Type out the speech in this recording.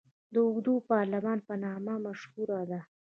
د اوږد پارلمان په نامه مشهوره ده.